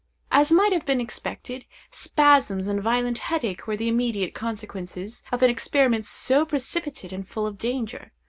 As might have been expected, spasms and violent headache were the immediate consequences of an experiment so precipitate and full of danger.